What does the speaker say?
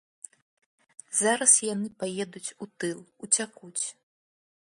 Зараз яны паедуць у тыл, уцякуць.